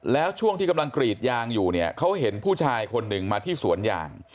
แล้วช่วงที่กำลังกรีดยางอยู่เนี่ยเขาเห็นผู้ชายคนหนึ่งมาที่สวนยาง